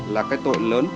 là cái tội lớn